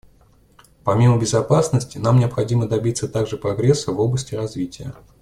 Помимо безопасности, нам необходимо добиться также прогресса в области развития.